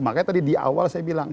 makanya tadi di awal saya bilang